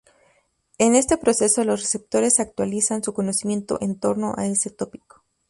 En este proceso, los receptores actualizan su conocimiento en torno a ese tópico.